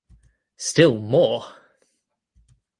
Still More!